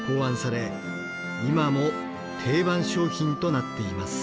今も定番商品となっています。